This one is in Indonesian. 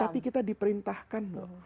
tapi kita diperintahkan loh